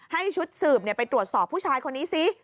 ให้ชุดสืบไปตรวจสอบผู้ชายคนนี้ซิ